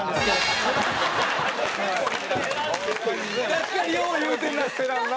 確かによう言うてるな「せらん」な。